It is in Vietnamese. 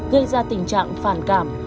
gây ra tình trạng phản cảm